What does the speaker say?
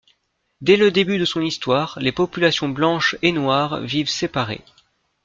Dès le début de son histoire, les populations blanche et noire vivent séparées.